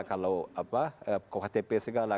kalau kohtp segala